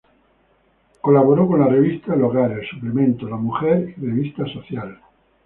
Colaboro con las revista "El Hogar", "El Suplemento", "La Mujer" y "Revista Social".